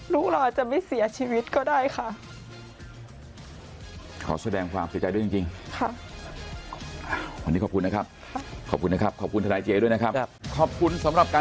ลูกเราอาจจะไม่เสียชีวิตก็ได้ค่ะ